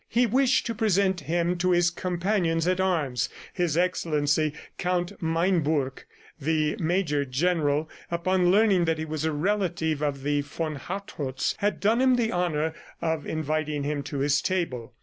He wished to present him to his companions at arms. His Excellency, Count Meinbourg, the Major General, upon learning that he was a relative of the von Hartrotts, had done him the honor of inviting him to his table.